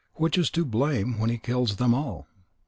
Which is to blame when he kills them all?